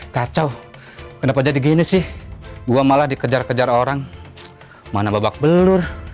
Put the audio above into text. kacau kenapa jadi gini sih gue malah dikejar kejar orang mana babak belur